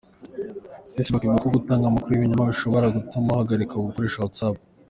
Facebook ivuga ko gutanga amakuru y’ibinyoma bishobora gutuma uhagarikirwa gukoresha WhatsApp.